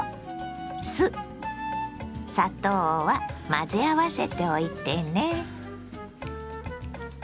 混ぜ合わせておいてね。